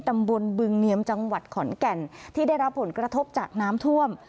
ตำบลบึงเนียมจังหวัดขอนแก่นที่ได้รับผลกระทบจากน้ำท่วม